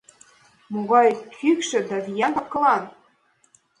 Могай кӱкшӧ да виян кап-кылан!